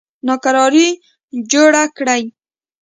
ناکراري جوړه کړي.